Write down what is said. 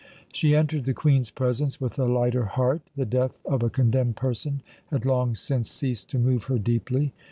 She entered the Queen's presence with a lighter heart. The death of a condemned person had long since ceased to move her deeply.